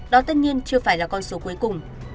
đó tất nhiên chưa phải là con số cuối cùng